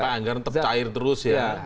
anggaran tetap cair terus ya